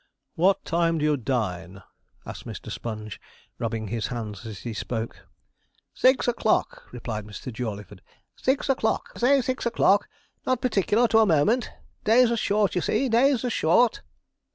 'What time do you dine?' asked Mr. Sponge, rubbing his hands as he spoke. 'Six o'clock,' replied Mr. Jawleyford, 'six o'clock say six o'clock not particular to a moment days are short, you see days are short.'